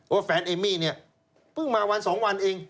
แฟนเอมมี่เนี่ยเพิ่งมาวันสองวันเอง